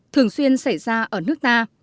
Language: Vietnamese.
thường xuyên xảy ra ở nước ta